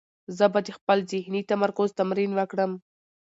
زه به د خپل ذهني تمرکز تمرین وکړم.